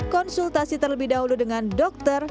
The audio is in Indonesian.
konsultasi terlebih dahulu dengan dokter